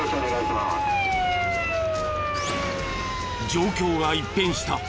状況が一変した。